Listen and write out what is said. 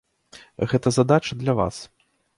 Гэта задача для вас.